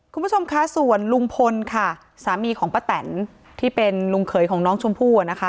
คุณผู้ชมคะส่วนลุงพลค่ะสามีของป้าแตนที่เป็นลุงเขยของน้องชมพู่อ่ะนะคะ